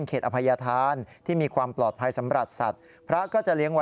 คุณผู้ชมส่งมาตรงเลยหรือคะ